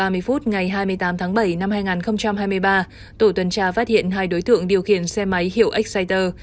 phút ngày hai mươi tám tháng bảy năm hai nghìn hai mươi ba tổ tuần tra phát hiện hai đối tượng điều khiển xe máy hiệu exciter